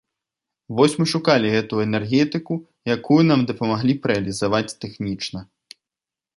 Вось мы шукалі гэту энергетыку, якую нам дапамаглі б рэалізаваць тэхнічна.